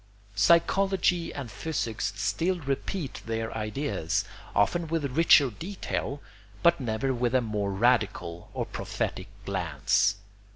Psychology and physics still repeat their ideas, often with richer detail, but never with a more radical or prophetic glance.